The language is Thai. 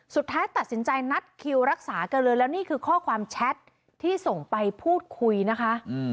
สุดท้ายตัดสินใจนัดคิวรักษากันเลยแล้วนี่คือข้อความแชทที่ส่งไปพูดคุยนะคะ